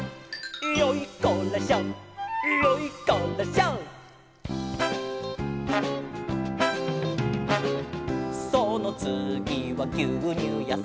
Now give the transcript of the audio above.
「ヨイコラショヨイコラショ」「そのつぎはぎゅうにゅうやさん」